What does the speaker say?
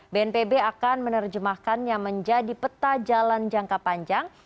bnpb akan menerjemahkannya menjadi peta jalan jangka panjang